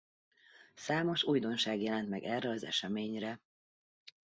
Számos újdonság jelent meg erre az eseményre.